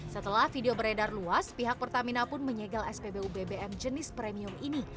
setelah video beredar luas pihak pertamina pun menyegel spbu bbm jenis premium ini